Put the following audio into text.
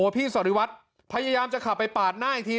พี่สริวัตรพยายามจะขับไปปาดหน้าอีกที